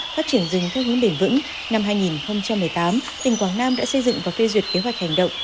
phát triển rừng theo hướng bền vững năm hai nghìn một mươi tám tỉnh quảng nam đã xây dựng và phê duyệt kế hoạch hành động